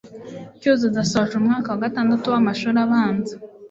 Cyuzuzo asoje umwaka wa gatandatu w'amashuri abanza